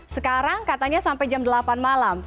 sekarang katanya sampai jam delapan malam